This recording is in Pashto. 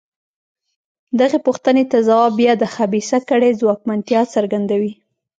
دغې پوښتنې ته ځواب بیا د خبیثه کړۍ ځواکمنتیا څرګندوي.